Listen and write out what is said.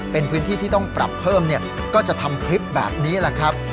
เป็นพื้นที่ที่ต้องปรับเพิ่มเนี่ยก็จะทำคลิปแบบนี้แหละครับ